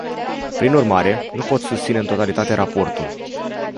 Prin urmare, nu pot susține în totalitate raportul.